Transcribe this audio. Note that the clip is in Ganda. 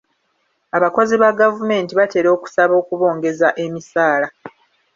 Abakozi ba gavumenti batera okusaba okubongeza emisaala.